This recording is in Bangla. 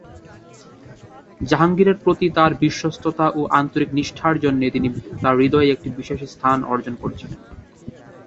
জাহাঙ্গীরের প্রতি তাঁর বিশ্বস্ততা ও আন্তরিক নিষ্ঠার জন্য তিনি তাঁর হৃদয়ে একটি বিশেষ স্থান অর্জন করেছিলেন।